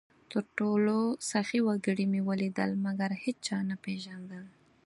تر ټولو سخي وګړي مې ولیدل؛ مګر هېچا نه پېژندل،